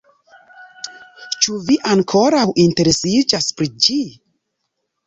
Ĉu vi ankoraŭ interesiĝas pri ĝi?